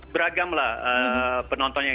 beragamlah penonton yang